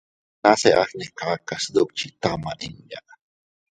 Nase agnekaka sdukchi tama inña.